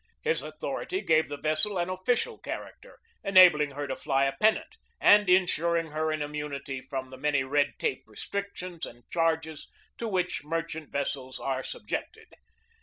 His author ity gave the vessel an official character, enabling her to fly a pennant and insuring her an immunity from the many red tape restrictions and charges to which merchant vessels are subjected.